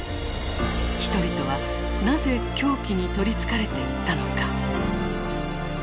人々はなぜ狂気に取りつかれていったのか。